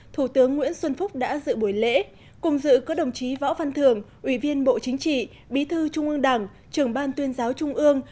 thủ tướng nguyễn xuân phúc đã dự buổi lễ cùng dự có đồng chí võ văn thường ủy viên bộ chính trị bí thư trung ương đảng trưởng ban tuyên giáo trung ương